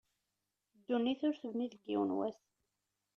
Ddunit ur tebni deg yiwen wass.